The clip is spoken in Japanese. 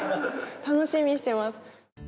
楽しみにしてます。